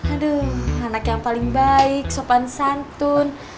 aduh anak yang paling baik sopan santun